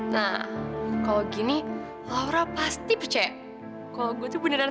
nah kalau gini laura pasti percaya kok gue tuh beneran